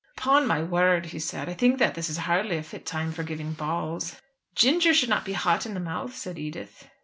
"Upon my word," he said, "I think that this is hardly a fit time for giving balls." "Ginger should not be hot in the mouth," said Edith.